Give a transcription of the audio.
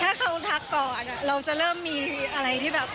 ถ้าเขาทักก่อนเราจะเริ่มมีอะไรที่แบบ